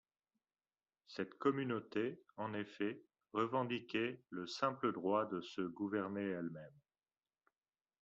Cette communauté, en effet, revendiquait le simple droit de se gouverner elle-même.